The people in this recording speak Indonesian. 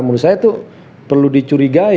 menurut saya itu perlu dicurigai